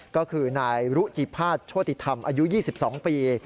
ก็คือนายรุจิภาษโชติธรรมอายุ๒๒ปี